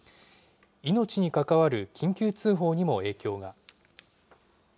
命に関わる緊急通報にも影響が。